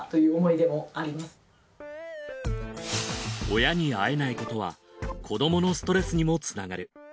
親に会えないことは子どものストレスにもつながる。